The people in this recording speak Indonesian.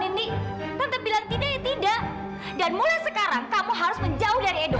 ini tetap bilang tidak ya tidak dan mulai sekarang kamu harus menjauh dari edo